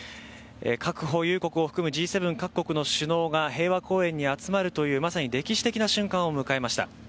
核保有国を含むＧ７各国の首脳が集まるというまさに歴史的な瞬間を迎えました。